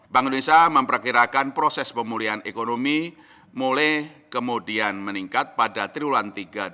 bank indonesia memperkirakan proses pemulihan ekonomi mulai kemudian meningkat pada triwulan tiga dua ribu dua puluh